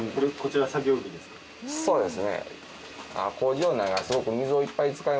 はいそうですね。